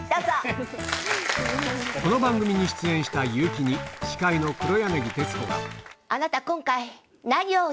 この番組に出演した悠木に司会の黒柳徹子があなた今回。